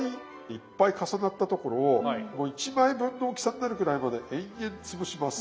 いっぱい重なったところをもう１枚分の大きさになるぐらいまで延々潰します。